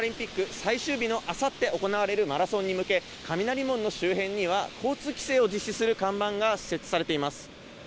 最終日のあさって行われるマラソンに向け、雷門の周辺には交通規制を実施する看板が設置されています。